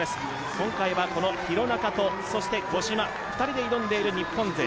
今回は廣中と五島２人で挑んでいる日本勢。